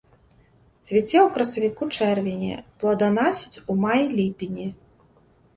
Цвіце ў красавіку-чэрвені, плоданасіць у маі-ліпені.